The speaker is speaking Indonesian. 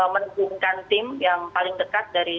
menurunkan tim yang paling dekat dari